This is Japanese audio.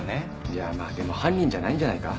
いやまあでも犯人じゃないんじゃないか？